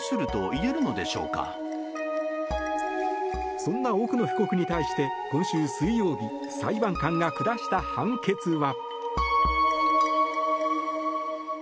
そんな奥野被告に対して今週水曜日裁判官が下した判決は。